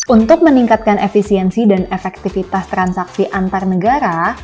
untuk meningkatkan efisiensi dan efektivitas transaksi antar negara